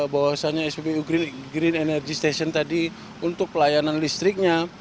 bahwasannya spbu green energy station tadi untuk pelayanan listriknya